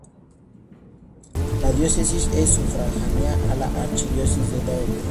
La diócesis es sufragánea a la Archidiócesis de Daegu.